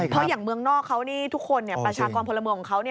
เพราะอย่างเมืองนอกเขานี่ทุกคนประชากรพลเมืองของเขา